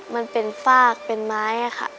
มันเป็นฟากเป็นไม้ค่ะ